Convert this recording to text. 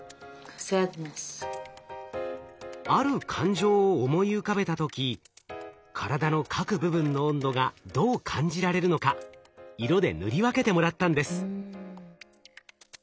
ある感情を思い浮かべた時体の各部分の温度がどう感じられるのか色で塗り分けてもらったんです。